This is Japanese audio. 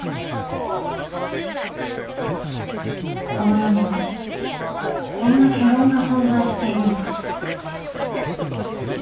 この世にはこんな戯論が存在しているのかと。